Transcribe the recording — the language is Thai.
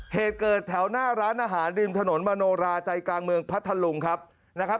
เหตุเกิดแถวหน้าร้านอาหารริมถนนมโนราใจกลางเมืองพัทธลุงครับนะครับ